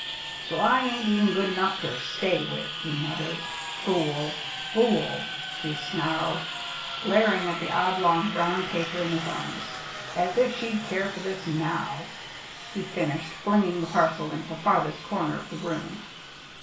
"So I ain't even good enough ter stay with!" he muttered. "Fool! fool!" he snarled, glaring at the oblong brown paper in his arms. "As if she'd care for this now!" he finished, flinging the parcel into the farthest corner of the room.